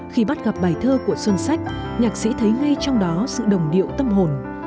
khi bắt gặp bài thơ của xuân sách nhạc sĩ thấy ngay trong đó sự đồng điệu tâm hồn